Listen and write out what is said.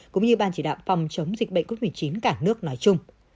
cũng như ban chỉ đạo phòng chống dịch bệnh covid một mươi chín cả nước nói chung